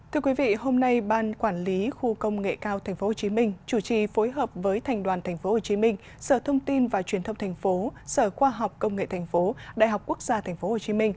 thưa quý vị hôm nay ban quản lý khu công nghệ cao tp hcm chủ trì phối hợp với thành đoàn tp hcm sở thông tin và truyền thông thành phố sở khoa học công nghệ tp đại học quốc gia tp hcm